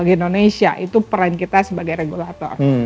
di indonesia itu peran kita sebagai regulator